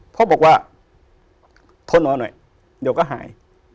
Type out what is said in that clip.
พ่อบอกว่าทนนอนหน่อยเดี๋ยวก็หาย